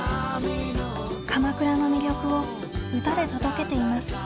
鎌倉の魅力を歌で届けています。